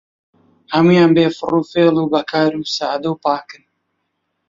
هەموویان بێ فڕوفێڵ و بەکار و سادە و پاکن